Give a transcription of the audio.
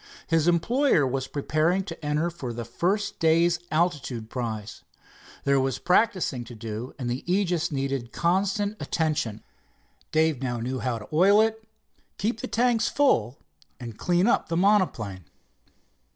His employer was preparing to enter for the first day's altitude prize. There was practicing to do, and the Aegis needed constant attention. Dave now knew how to oil it, keep the tanks full and clean up the monoplane.